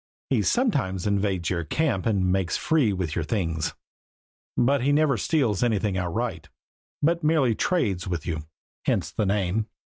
He sometimes invades your camp and makes free with your things, but he never steals anything outright he merely trades with you; hence his name.